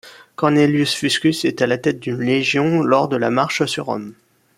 Cornelius Fuscus est à la tête d'une légion lors de la marche sur Rome.